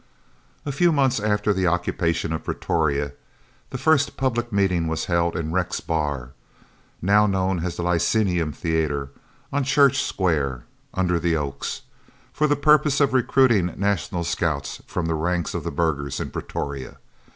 A few months after the occupation of Pretoria the first public meeting was held in the Rex Bar, now known as the Lyceum Theatre, on Church Square ("under the Oaks"), for the purpose of recruiting National Scouts from the ranks of the burghers in Pretoria.